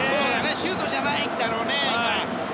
シュートじゃないんだろうね、今のは。